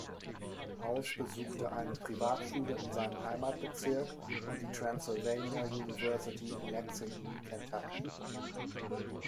House besuchte eine Privatschule in seinem Heimatbezirk und die Transylvania University in Lexington, Kentucky.